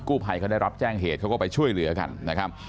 ภัยเขาได้รับแจ้งเหตุเขาก็ไปช่วยเหลือกันนะครับ